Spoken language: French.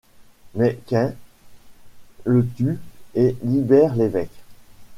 Mais Kain le tue et libère l'évêque.